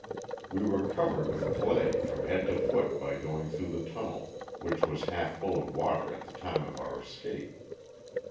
We were covered with clay from head to foot by going through the tunnel, which was half full of water at the time of our escape.